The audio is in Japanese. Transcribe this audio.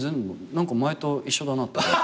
何か前と一緒だなって感じ。